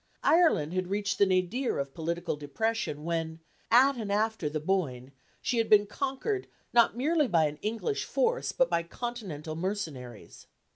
Ireland reached the nadir of political depression when, at and after the Boyne, she had been conquered not merely by an English force, but by continental mercenaries.